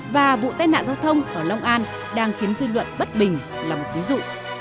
và vụ tai nạn giao thông ở long an đang khiến dư luận bất bình là một ví dụ